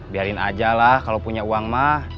biarin aja lah kalau punya uang mah